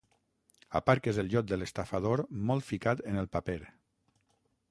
Aparques el iot de l'estafador molt ficat en el paper.